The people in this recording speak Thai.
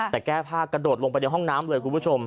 แต่แก้ผ้ากระโดดลงไปในห้องน้ำเลยคุณผู้ชม